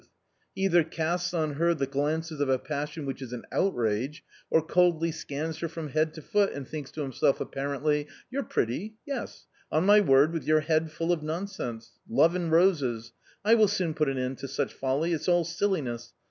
He either casts on her the glances of a passion which is an outrage, or coldly scans her from head to foot and thinks to himself appa rently, ' You're pretty, yes, on my word with your head full of nonsense ; love and roses — I will soon put an end to such folly, it's all silliness